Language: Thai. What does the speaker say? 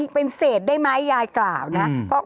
เป็นเศษได้ไหมยายกล่าวนะ